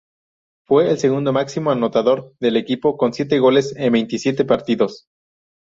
Fue el segundo máximo anotador del equipo, con siete goles en veintisiete partidos.